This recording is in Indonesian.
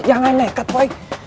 jangan nekat woy